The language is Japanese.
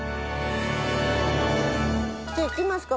じゃあ行きますか。